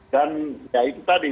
dan ya itu tadi